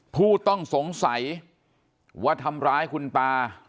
ผู้ต้องสงสัยว่าทำร้ายคุณตา